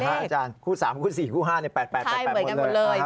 เดี๋ยวฮะอาจารย์คู่๓คู่๔คู่๕เนี่ย๘๘๘หมดเลย